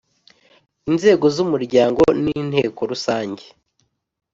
Inzego z umuryango ni Inteko Rusange